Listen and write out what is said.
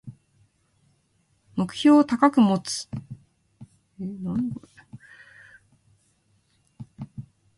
目標を高く持つ